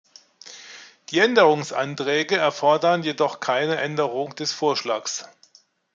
Die Änderungsanträge erfordern jedoch keine Änderung des Vorschlags.